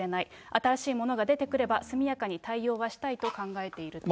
新しいものが出てくれば、速やかに対応はしたいと考えていると。